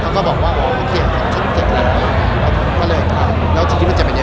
เออทีมันจะเป็นอย่างไรทีจะแบกตลอด